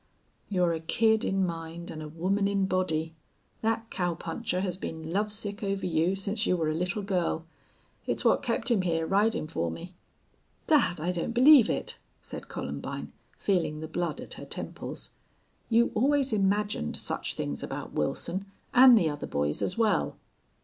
"You're a kid in mind an' a woman in body. Thet cowpuncher has been lovesick over you since you were a little girl. It's what kept him hyar ridin' fer me." "Dad, I don't believe it," said Columbine, feeling the blood at her temples. "You always imagined such things about Wilson, and the other boys as well."